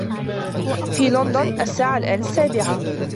في لندن الساعة الآن السابعة.